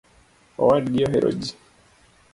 Owadgi ohero jii